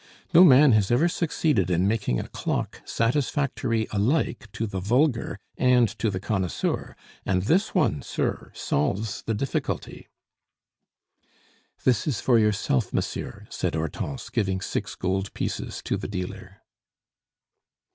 No man has ever succeeded in making a clock satisfactory alike to the vulgar and to the connoisseur, and this one, sir, solves the difficulty." "This is for yourself, monsieur," said Hortense, giving six gold pieces to the dealer.